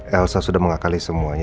elsa sudah mengakali semuanya